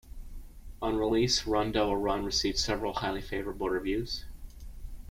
On release, "Run Devil Run" received several highly favourable reviews.